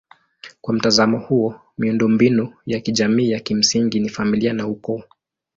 Kwa mtazamo huo miundombinu ya kijamii ya kimsingi ni familia na ukoo.